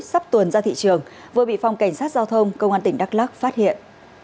sắp tuần ra thị trường vừa bị phòng cảnh sát giao thông công an tỉnh đắk lắc phát hiện